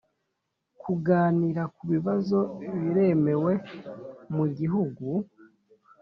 kuganira ku bibazo biremewe mu Igihugu.